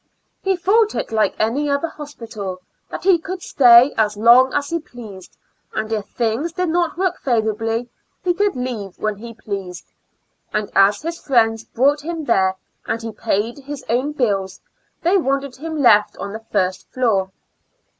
He thought it like any other hospital, that he could stay as long as he pleased, and if things did not work favorably he could leave when he pleased ; and as his friends brought hjm there, and he paid his own bills, they want ed him left on the first floor.